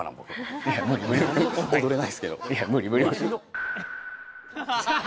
踊れないですけどいや無理無理無理